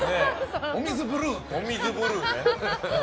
お水ブルー！って。